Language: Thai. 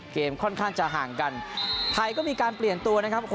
ค่อนข้างจะห่างกันไทยก็มีการเปลี่ยนตัวนะครับ